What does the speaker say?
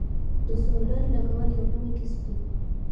د سولر لګول یو نوی کسب دی